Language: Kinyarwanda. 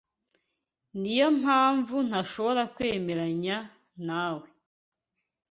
Niyo mpamvu ntashobora kwemeranya nawe.